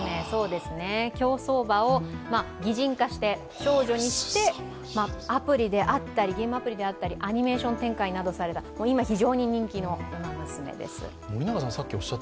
競走馬を擬人化して少女にしてゲームアプリであったり、アニメーション展開された今、非常に人気のウマ娘です。